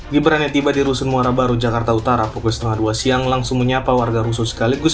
gibran yang tiba di rusun muara baru jakarta utara pukul setengah dua siang langsung menyapa warga rusun sekaligus